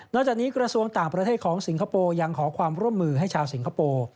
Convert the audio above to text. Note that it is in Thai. จากนี้กระทรวงต่างประเทศของสิงคโปร์ยังขอความร่วมมือให้ชาวสิงคโปร์